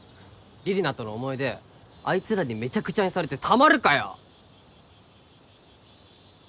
李里奈との思い出あいつらにめちゃくちゃにされてたまるかよ！